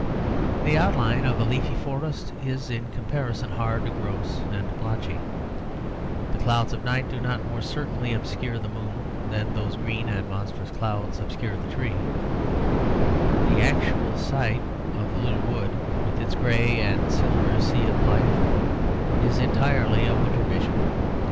The outline of a leafy forest is in comparison hard, gross and blotchy; the clouds of night do not more certainly obscure the moon than those green and monstrous clouds obscure the tree; the actual sight of the little wood, with its gray and silver sea of life, is entirely a winter vision.